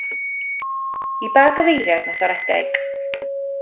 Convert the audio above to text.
I ba gyfeiriad nath o redeg.